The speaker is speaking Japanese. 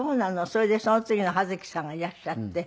それでその次のはづきさんがいらっしゃって。